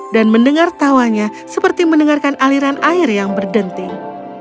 dan mendengar tawanya seperti mendengarkan aliran air yang berdenting